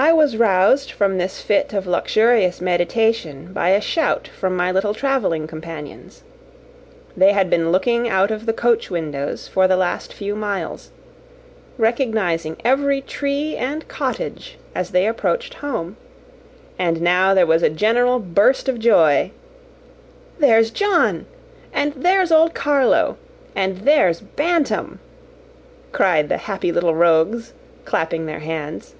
I was roused from this fit of luxurious meditation by a shout from my little travelling companions. They had been looking out of the coach windows for the last few miles, recognising every tree and cottage as they approached home, and now there was a general burst of joy "There's John! and there's old Carlo! and there's Bantam!" cried the happy little rogues, clapping their hands.